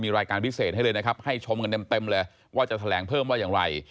รายการพิเศษให้เลยนะครับให้ชมกันเต็มเลยว่าจะแถลงเพิ่มว่าอย่างไร